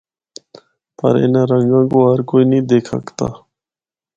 پر اِنّاں رَنگاں کو ہر کوئی نیں دکھ ہکدا۔